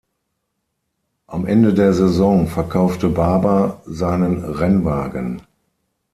Am Ende der Saison verkaufte Barber seinen Rennwagen.